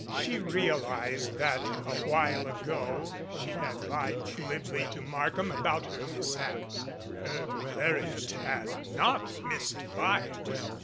She realized that a while ago she had lied glibly to Markham about her mishap. Her Bleriot had not missed fire.